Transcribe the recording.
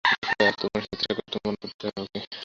দেখো, অ্যাব, তোমার আমাকে এটা করতে মানা করতে হবে না, ওকে?